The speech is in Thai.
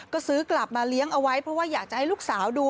ก็ซื้อกลับมาเลี้ยงเอาไว้เพราะว่าอยากจะให้ลูกสาวดู